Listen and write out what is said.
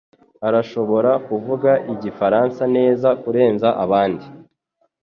arashobora kuvuga igifaransa neza kurenza abandi.